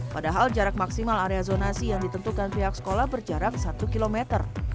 padahal jarak maksimal area zonasi yang ditentukan pihak sekolah berjarak satu kilometer